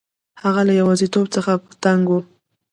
هغه له یوازیتوب څخه تنګ شو.